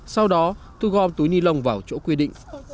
sau đó thu gom túi ni lông vào chỗ quy định